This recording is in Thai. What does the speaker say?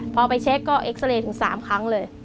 พอไปเช็คก็เอ็กซาเรย์ถึง๓ครั้งเลย